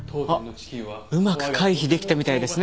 あっうまく回避できたみたいですね。